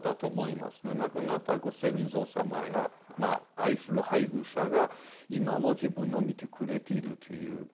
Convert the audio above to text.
亡くなったご先祖様や愛する配偶者が今も自分を見てくれているという。